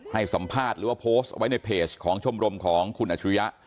ให้สัมภาษณ์หรือว่าโพสต์ไว้ในเพจของชมรมของคุณอัชรุยะ